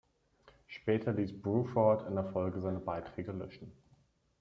Später ließ Bruford in der Folge seine Beiträge löschen.